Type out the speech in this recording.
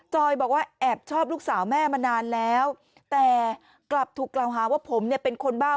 บอกว่าแอบชอบลูกสาวแม่มานานแล้วแต่กลับถูกกล่าวหาว่าผมเนี่ยเป็นคนบ้า